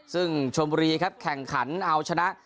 ซึ่งชมบุรีครับแข่งขันเอาชนะ